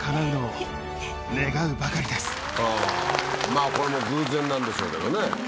まぁこれも偶然なんでしょうけどね。